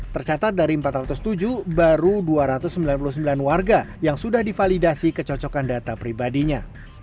tercatat dari empat ratus tujuh baru dua ratus sembilan puluh sembilan warga yang sudah divalidasi kecocokan data pribadinya